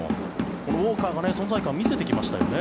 このウォーカーが存在感を見せてきましたよね。